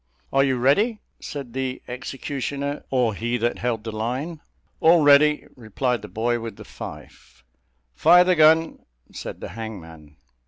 "Are you ready?" said the executioner, or he that held the line. "All ready," replied the boy with the fife. "Fire the gun!" said the hangman.